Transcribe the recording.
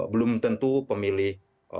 belum tentu pemilih